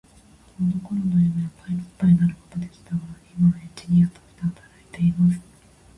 子供の頃の夢はパイロットになることでしたが、今はエンジニアとして働いています。